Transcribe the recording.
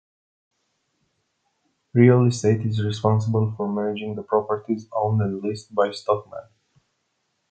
Real Estate is responsible for managing the properties owned and leased by Stockmann.